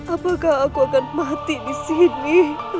apakah aku akan mati disini